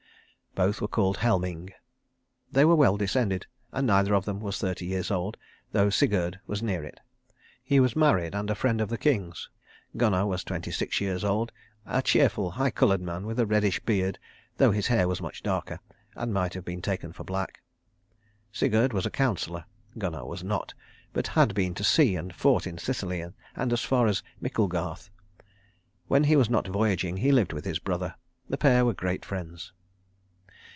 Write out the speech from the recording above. Both were called Helming. They were well descended, and neither of them was thirty years old, though Sigurd was near it. He was married and a friend of the King's. Gunnar was twenty six years old, a cheerful high coloured man with a reddish beard, though his hair was much darker, and might have been taken for black. Sigurd was a councillor, Gunnar was not, but had been to sea, and fought in Sicily, and as far as Micklegarth. When he was not voyaging he lived with his brother. The pair were great friends.